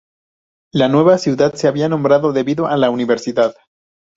La nueva ciudad se había nombrado debido al de la universidad.